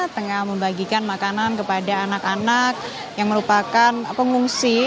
tengah membagikan makanan kepada anak anak yang merupakan pengungsi